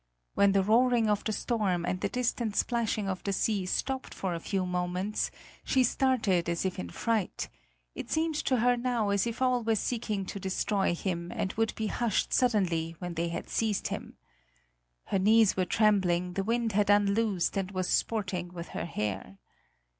When the roaring of the storm and the distant splashing of the sea stopped for a few moments, she started as if in fright; it seemed to her now as if all were seeking to destroy him and would be hushed suddenly when they had seized him. Her knees were trembling, the wind had unloosed and was sporting with her hair.